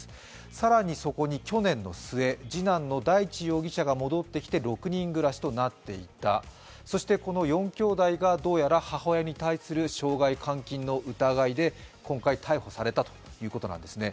更にそこに去年の末、次男の大地容疑者が戻ってきて６人暮らしとなっていたそしてこの４きょうだいが、どうやら母親に対する傷害・監禁容疑で今回、逮捕されたということなんですね。